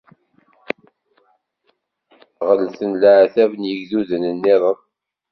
Ɣellten leɛtab n yigduden-nniḍen.